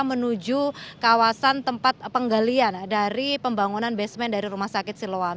menuju kawasan tempat penggalian dari pembangunan basement dari rumah sakit siloam